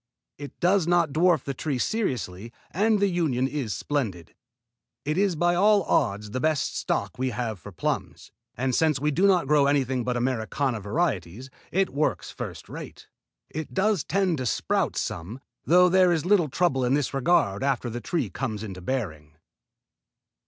It does not dwarf the trees seriously and the union is splendid. It is by all odds the best stock we have for plums, and since we do not grow anything but Americana varieties, it works first rate. It does tend to sprout some, though there is little trouble in this regard after the trees come into bearing."